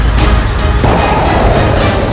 aku akan menangkapmu